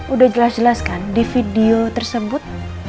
udah jelas jelas kan di video tersebut